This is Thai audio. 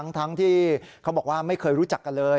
ทั้งที่เขาบอกว่าไม่เคยรู้จักกันเลย